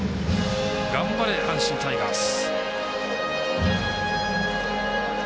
頑張れ阪神タイガース！